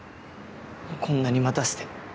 こんなに待たせて。